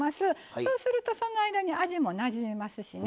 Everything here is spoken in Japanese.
そうすると、その間に味も、なじみますしね。